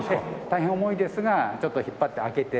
大変重いですがちょっと引っ張って開けて。